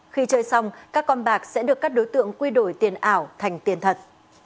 khi chơi xong các con bạc sẽ được các đối tượng quy đổi tiền ảo thành tiền thật